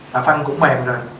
và phân cũng mềm rồi